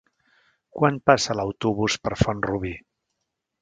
Quan passa l'autobús per Font-rubí?